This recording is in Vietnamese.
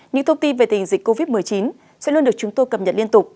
những thông tin về tình hình dịch covid một mươi chín sẽ luôn được chúng tôi cập nhật liên tục